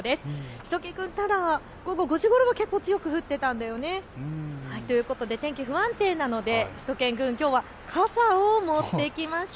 しゅと犬くん、ただ午後５時ごろも強く降っていたんだよね。ということで天気、不安定なのでしゅと犬くんきょうは傘を持ってきました。